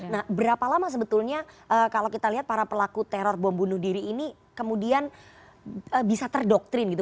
nah berapa lama sebetulnya kalau kita lihat para pelaku teror bom bunuh diri ini kemudian bisa terdoktrin gitu